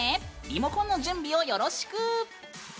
リモコンの準備をよろしく！